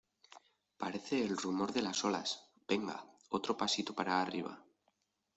parece el rumor de las olas. venga, otro pasito para arriba .